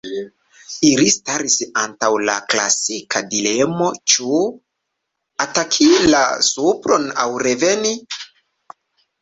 Ili staris antaŭ la klasika dilemo: ĉu ataki la supron aŭ reveni?